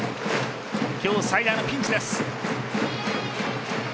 今日最大のピンチです。